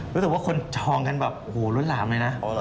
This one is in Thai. รู้สึกว่าคนจองกันแบบโอ้โหล้นหลามเลยนะ